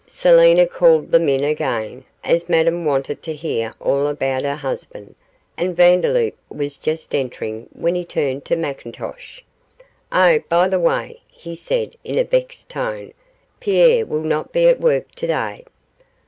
Selina called them in again, as Madame wanted to hear all about her husband, and Vandeloup was just entering when he turned to McIntosh. 'Oh, by the way,' he said, in a vexed tone, 'Pierre will not be at work today.